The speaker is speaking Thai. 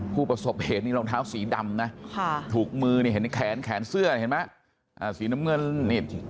ผู้ประสบเหตุนี้รองเท้าสีดำนะเขางั้นถูกมือเนี่ยเห็นแขนเสื้อเห็นมั้ยสีน้ำเมืองเนี่ย